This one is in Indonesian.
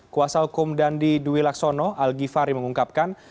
kuasa hukum dandi dwi laksono al gifari mengungkapkan